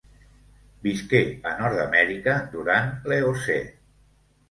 Visqué a Nord-amèrica durant l'Eocè.